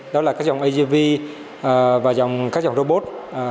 đó là các dòng agv và các dòng robot sáu mươi ba mươi